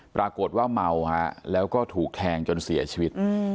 ปรากฏว่าเมาฮะแล้วก็ถูกแทงจนเสียชีวิต